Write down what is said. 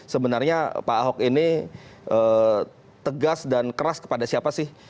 sebenarnya pak ahok ini tegas dan keras kepada siapa sih